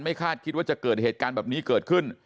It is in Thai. คาดคิดว่าจะเกิดเหตุการณ์แบบนี้เกิดขึ้น